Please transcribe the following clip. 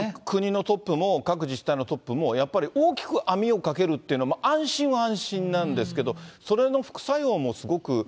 国のトップも各自治体のトップも、やっぱり大きく網をかけるっていう、安心は安心なんですけど、それの副作用もすごく。